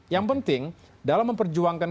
yang penting dalam memperjuangkan